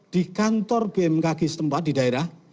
di kantor bmkg setempat di daerah